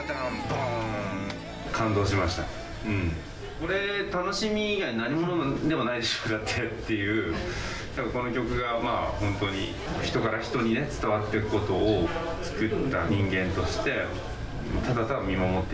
これ楽しみ以外何ものでもないっていうこの曲が本当に人から人にね伝わっていくことを作った人間としてただただ見守っていけたらいいなと思います。